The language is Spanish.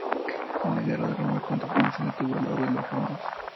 En la guerra de Roma contra Macedonia estuvo al lado de los romanos.